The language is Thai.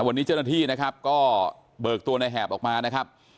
วันนี้เจ้าหน้าที่นะครับก็เบิกตัวในแหบออกมานะครับ